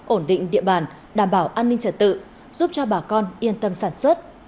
ổn định địa bàn đảm bảo an ninh trật tự giúp cho bà con yên tâm sản xuất